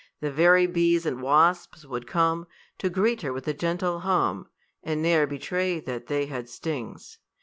The very bees and wasps would come To greet her with a gentle hum, And ne'er betray that they had stings.